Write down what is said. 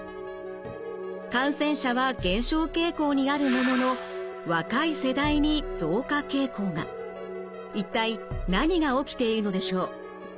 感染者は減少傾向にあるものの一体何が起きているのでしょう？